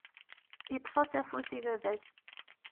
Yeṭṭef-as afus i baba-s.